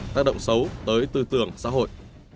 tác động xấu tới tư tưởng xã hội